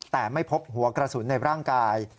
แต่ไม่พบหัวกระสุนในร่างกาย